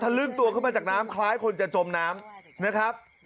ลื่นตัวเข้ามาจากน้ำคล้ายคนจะจมน้ำนะครับ